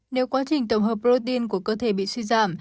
nếu quá trình tổng hợp protein của cơ thể bị suy giảm